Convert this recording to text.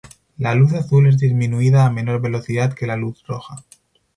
La luz azul es disminuida a menor velocidad que la luz roja.